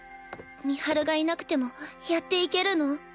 美晴がいなくてもやっていけるの？